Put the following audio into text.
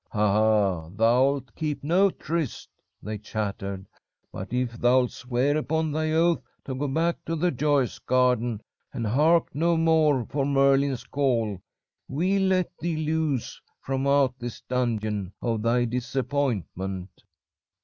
"'Ha! ha! Thou'lt keep no tryst,' they chattered. 'But if thou'lt swear upon thy oath to go back to the joyous garden, and hark no more for Merlin's call, we'll let thee loose from out this Dungeon of thy Disappointment.'